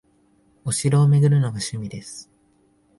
お城を巡るのが趣味です